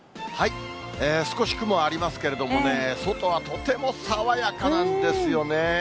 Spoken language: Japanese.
少し雲はありますけれどもね、外はとても爽やかなんですよね。